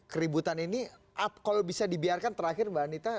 keributan ini kalau bisa dibiarkan terakhir mbak anita